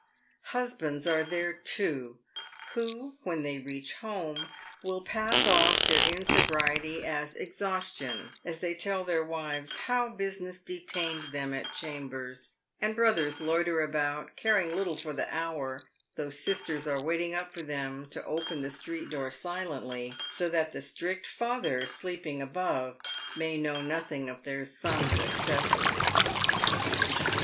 Husbands are there too, who when they reach home will pass off their insobriety as exhaus tion, as they tell their wives how business detained them at chambers ; and brothers loiter about, caring little for the hour, though sisters are waiting up for them to open the street door silently, so that the strict father, sleeping above, may know nothing of their son's excesses.